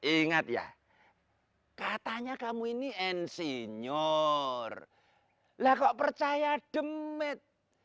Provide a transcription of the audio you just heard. ingat ya katanya kamu ini insinyur lah kok percaya demit